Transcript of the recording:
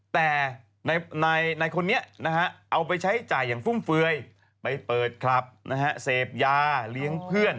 แต่ในคนนี้เอาไปใช้จ่ายอย่างฟุ่มเฟือยไปเปิดคลับเสพยาเลี้ยงเพื่อน